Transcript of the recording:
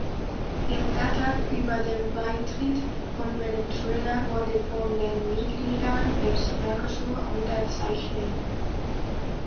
Der Vertrag über den Beitritt von Venezuela wurde von den Mitgliedern des Mercosur unterzeichnet.